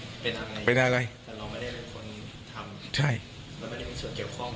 ไม่ได้อะไรแต่เราไม่ได้เป็นคนทำใช่เราไม่ได้มีส่วนเกี่ยวข้อง